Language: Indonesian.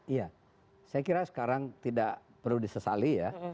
iya saya kira sekarang tidak perlu disesali ya